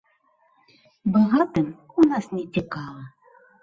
Багатым у нас нецікава.